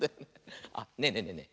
あっねえねえねえねえ